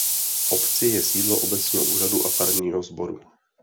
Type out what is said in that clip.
V obci je sídlo obecního úřadu a farního sboru.